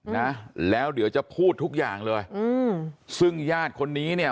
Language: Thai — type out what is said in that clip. นะแล้วเดี๋ยวจะพูดทุกอย่างเลยอืมซึ่งญาติคนนี้เนี่ย